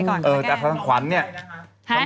ก็เหมือนกันนั่นแหละ